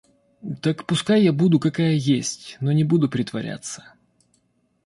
Так пускай я буду какая есть, но не буду притворяться.